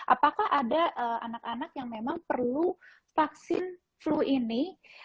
apakah ada anak anak yang memang perlu vaksin flu ini